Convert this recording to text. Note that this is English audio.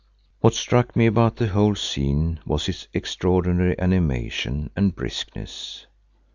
What struck me about the whole scene was its extraordinary animation and briskness.